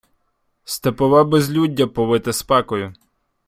Степове безлюддя повите спекою.